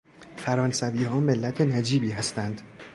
فرانسوی ها ملت نجیبی هستند